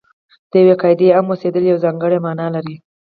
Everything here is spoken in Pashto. د یوې قاعدې عام اوسېدل یوه ځانګړې معنا لري.